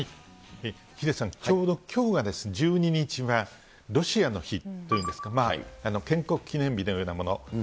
ヒデさん、ちょうどきょうが、１２日がロシアの日っていうんですか、建国記念日のようなもの。